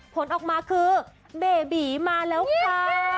ผลออกมาคือเบบีมาแล้วค่ะ